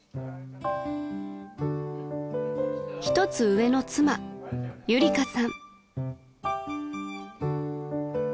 ［１つ上の妻ゆりかさん］